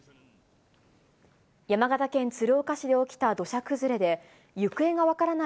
山形県鶴岡市で起きた土砂崩れで、行方が分からない